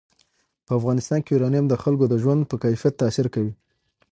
په افغانستان کې یورانیم د خلکو د ژوند په کیفیت تاثیر کوي.